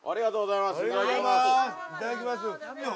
いただきます。